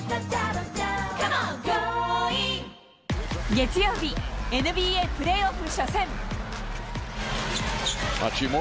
月曜日、ＮＢＡプレーオフ初戦。